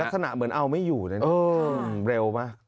ลักษณะเหมือนเอาไม่อยู่เลยนะเร็วมาก